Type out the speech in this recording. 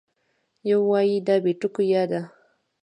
یو وای دا بې ټکو یا ده